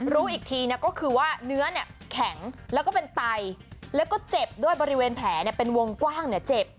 รู้อีกทีก็คือว่าเนื้อแข็งแล้วก็เป็นไตแล้วก็เจ็บด้วยบริเวณแผลเป็นวงกว้างเจ็บ